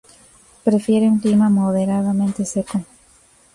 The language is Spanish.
Prefiere un clima moderadamente seco.